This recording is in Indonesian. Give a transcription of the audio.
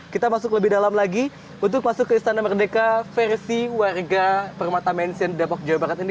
kita masuk lebih dalam lagi untuk masuk ke istana merdeka versi warga permata mansion depok jawa barat ini